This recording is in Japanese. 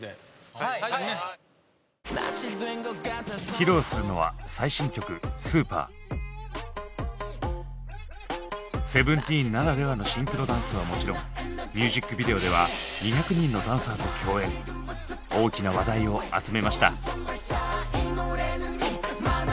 披露するのはＳＥＶＥＮＴＥＥＮならではのシンクロダンスはもちろんミュージックビデオでは大きな話題を集めました。